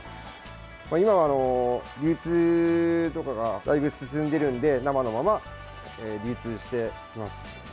今は流通とかがだいぶ進んでいるので生のまま流通しています。